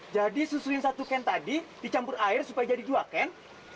jadi susulin satu can tadi dicampur air supaya jadi dua can